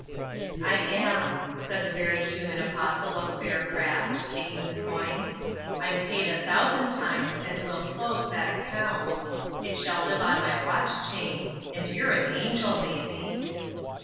"I am," said the very human apostle of fair craft, taking the coin. "I'm paid a thousand times, and we'll close that account. It shall live on my watch chain; and you're an angel, Maisie."